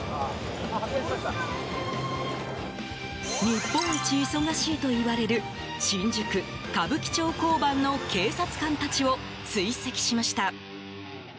日本一忙しいといわれる新宿・歌舞伎町交番の警察官たちを追跡しました。